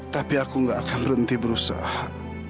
tapi aku gak akan berhenti berusaha